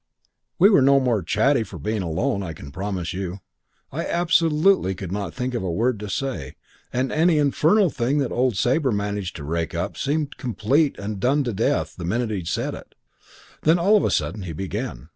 We were no more chatty for being alone, I can promise you. I absolutely could not think of a word to say, and any infernal thing that old Sabre managed to rake up seemed complete and done to death the minute he'd said it. "Then all of a sudden he began.